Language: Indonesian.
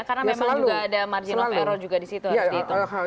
karena memang juga ada margin of error juga di situ